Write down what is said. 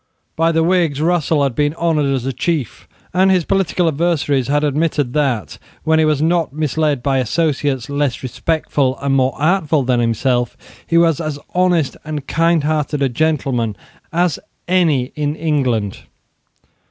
By the Whigs Russell had been honoured as a chief; and his political adversaries had admitted that, when he was not misled by associates less respectable and more artful than himself, he was as honest and kindhearted a gentleman as any in England.